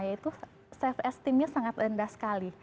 yaitu self esteemnya sangat rendah sekali